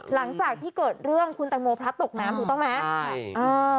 หลังจากที่เกิดเรื่องคุณแตงโมพลัดตกน้ำถูกต้องไหม